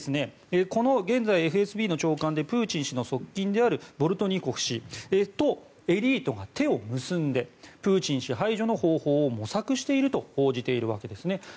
この現在ＦＳＢの長官でプーチン氏の側近であるボルトニコフ氏とエリートが手を結んでプーチン氏排除の方法を模索していると報じているわけですね。